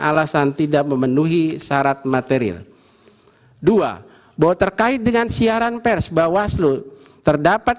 alasan tidak memenuhi syarat material dua bahwa terkait dengan siaran pers bawaslu terdapat